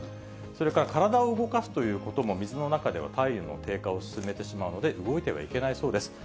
それから体を動かすということも、水の中では体温の低下を進めてしまうので、動いてはいけないそうです。